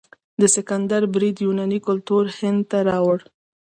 د سکندر برید یوناني کلتور هند ته راوړ.